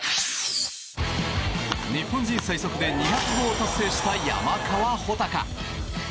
日本人最速で２００号を達成した山川穂高。